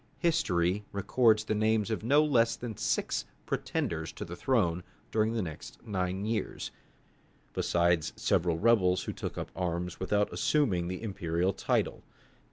History records the names of no less than six pretenders to the throne during the next nine years, besides several rebels who took up arms without assuming the imperial title.